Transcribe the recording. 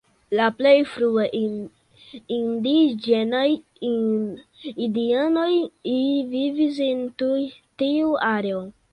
La plej frue indiĝenaj indianoj vivis en tiu areo.